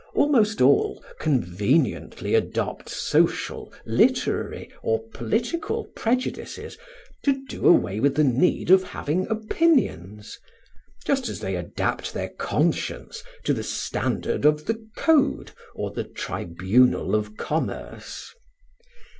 Almost all conveniently adopt social, literary, or political prejudices, to do away with the need of having opinions, just as they adapt their conscience to the standard of the Code or the Tribunal of Commerce.